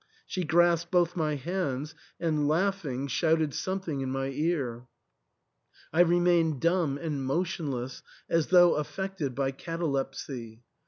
She grasped both my hands and, laughing, shouted some thing in my ear. I remained dumb and motionless, as though affected by catalepsy.